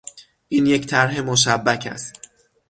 این یک طرح مشبک است